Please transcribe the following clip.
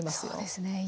そうですね。